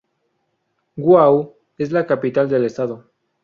Wau es la capital del estado.